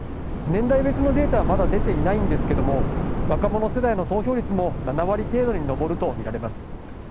年代別のデータはまだ出ていないんですけども若者世代の投票率も７割程度に上るとみられます。